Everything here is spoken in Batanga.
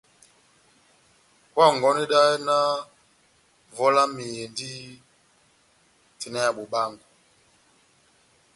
Oháhɔngɔnedɛhɛ vɔli yami endi tina ya bobaángo.